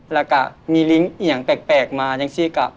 แล้วก็มีลิงค์อีกอย่างแปลกมายังซี่กับ